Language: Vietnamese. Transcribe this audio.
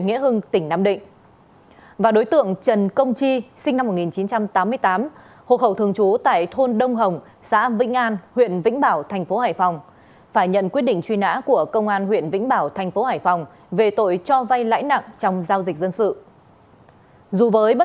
những thông tin về truy nã tội phạm